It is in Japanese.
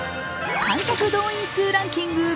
観客動員数ランキング